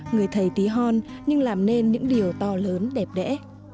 người thầy tí hon nhưng làm nên những điều to lớn đẹp đẽ